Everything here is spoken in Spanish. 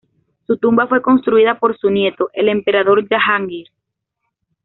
Su tumba fue construida por su nieto, el emperador Jahangir.